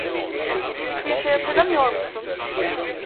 Hiçbir şey hatırlamıyor musun?